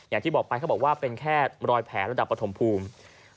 อย่างที่บอกไปเขาบอกว่าเป็นแค่รอยแผลระดับปฐมภูมิ